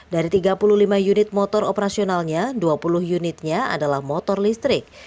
dari tiga puluh lima unit motor operasionalnya dua puluh unitnya adalah motor listrik